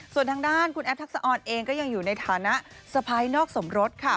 ส่วนทางด้านคุณแอฟทักษะออนเองก็ยังอยู่ในฐานะสะพ้ายนอกสมรสค่ะ